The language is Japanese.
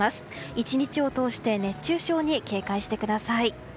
１日を通して熱中症に警戒してください。